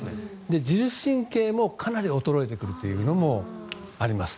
自律神経もかなり衰えてくるというのもあります。